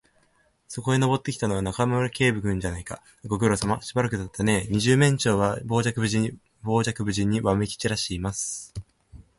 そこへ登ってきたのは、中村警部君じゃないか。ご苦労さま。しばらくだったねえ。二十面相は傍若無人にわめきちらしています。